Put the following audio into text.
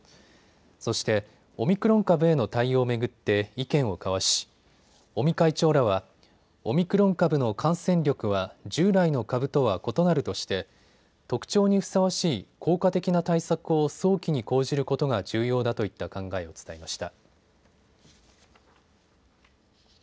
そしてオミクロン株への対応を巡って意見を交わし尾身会長らはオミクロン株の感染力は従来の株とは異なるとして特徴にふさわしい効果的な対策を早期に講じることが重要だといった考えを伝えました。